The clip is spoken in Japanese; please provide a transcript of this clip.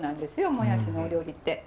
もやしのお料理って。